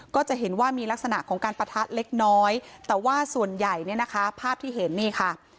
ก็จะเห็นว่ามีลักษณะของการปะทะเล็กน้อยแต่ว่าส่วนใหญ่เนี่ยนะคะภาพที่เห็นนี่ค่ะ